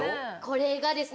これがですね